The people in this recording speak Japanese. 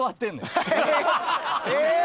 えっ！？